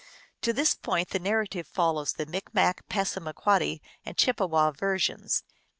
To this point the narrative follows the Micmac, Passamaquoddy, and Chippewa versions.